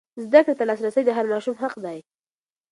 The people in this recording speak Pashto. زده کړې ته لاسرسی د هر ماشوم حق دی.